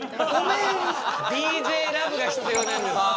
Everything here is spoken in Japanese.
ＤＪＬＯＶＥが必要なんです。